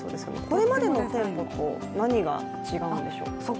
これまでの店舗と何が違うんでしょう？